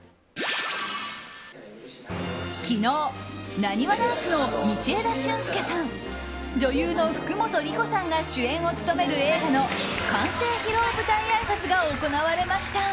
昨日、なにわ男子の道枝駿佑さん女優の福本莉子さんが主演を務める映画の完成披露舞台あいさつが行われました。